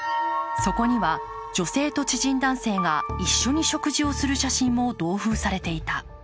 そこには女性と知人男性が一緒に食事をする写真も同封されていた。